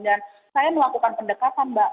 dan saya melakukan pendekatan mbak